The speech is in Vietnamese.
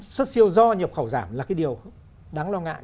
xuất siêu do nhập khẩu giảm là cái điều đáng lo ngại